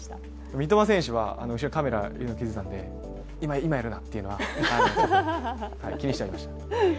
三笘選手が後ろにカメラがあるのに気付いたので「今、やるな」っていうのは気にしてはいました。